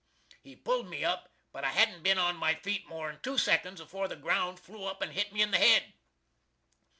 He pulled me up, but I hadn't bin on my feet more'n two seconds afore the ground flew up and hit me in the hed.